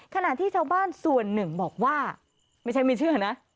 ขณะที่ชาวบ้านส่วนหนึ่งบอกว่าไม่ใช่ไม่เชื่อนะ